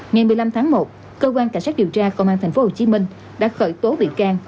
ngày một mươi năm tháng một cơ quan cảnh sát điều tra công an tp hcm đã khởi tố bị can